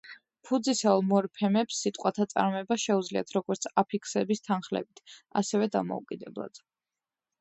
ფუძისეულ მორფემებს სიტყვათა წარმოება შეუძლიათ როგორც აფიქსების თანხლებით, ასევე დამოუკიდებლად.